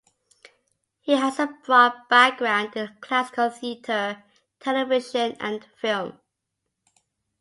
He has a broad background in classical theatre, television and film.